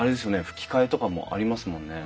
ふき替えとかもありますもんね。